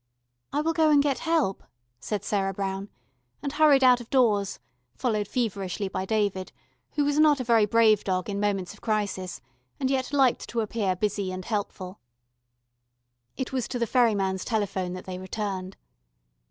"I will go and get help," said Sarah Brown, and hurried out of doors, followed feverishly by David, who was not a very brave dog in moments of crisis, and yet liked to appear busy and helpful. It was to the ferryman's telephone that they returned.